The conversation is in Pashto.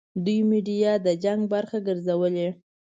دوی میډیا د جنګ برخه ګرځولې.